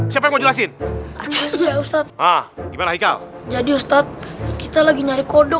sampai jumpa di video selanjutnya